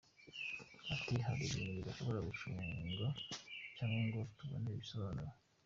Ati “hari ibintu tudashobora gucunga cyangwa ngo tubonere ibisobanuro.